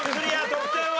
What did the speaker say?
得点は？